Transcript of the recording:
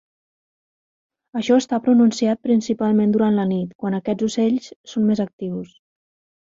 Això està pronunciat principalment durant la nit, quan aquests ocells són més actius.